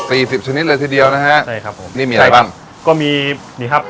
สิบชนิดเลยทีเดียวนะฮะใช่ครับผมนี่มีอะไรบ้างก็มีมีครับ